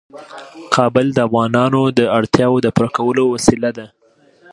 کابل د افغانانو د اړتیاوو د پوره کولو وسیله ده.